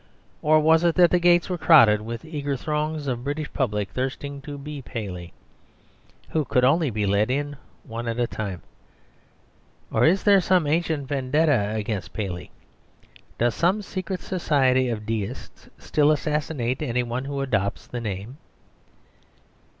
Or was it that the gates were crowded with eager throngs of the British public thirsting to be Paley, who could only be let in one at a time? Or is there some ancient vendetta against Paley? Does some secret society of Deists still assassinate any one who adopts the name?